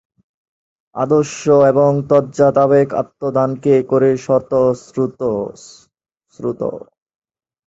আদর্শ এবং তজ্জাত আবেগ আত্মদানকে করে স্বতস্ফূর্ত।